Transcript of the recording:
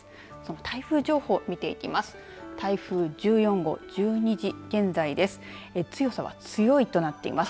台風情報を見ていきます。